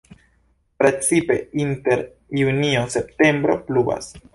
Precipe inter junio-septembro pluvas.